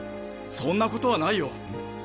そんなことはないよ